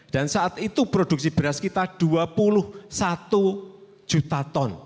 dan saat itu produksi beras kita dua puluh satu juta ton